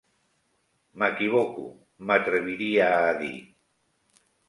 M'equivoco, m'atreviria a dir.